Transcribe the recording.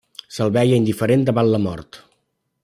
Se'l veia indiferent davant la mort.